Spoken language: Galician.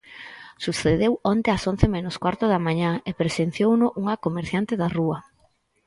Sucedeu onte ás once menos cuarto da mañá e presenciouno unha comerciante da rúa.